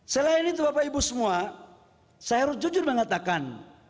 selain itu bapak ibu semua saya harus jujur mengatakan